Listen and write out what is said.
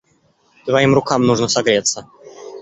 Твоим рукам нужно согреться.